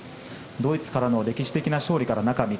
ドイツからの歴史的な勝利から中３日。